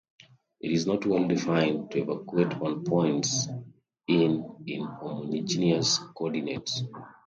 It is not well-defined to evaluate on points in in homogeneous coordinates.